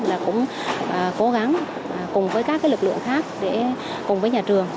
là cũng cố gắng cùng với các lực lượng khác để cùng với nhà trường